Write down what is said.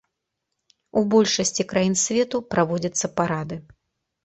У большасці краін свету праводзяцца парады.